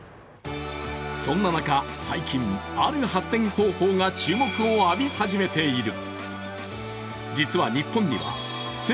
そんな中、最近、ある発電方法が注目を浴び始めている。